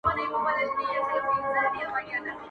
انسان وجدان سره مخ دی تل